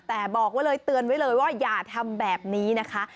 แต่บอกไว้เลยเตือนไว้เลยว่าอย่าทำแบบนี้นะคะ